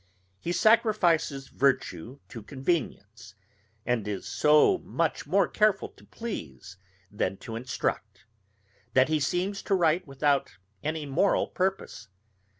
He sacrifices virtue to convenience, and is so much more careful to please than to instruct, that he seems to write without any moral purpose.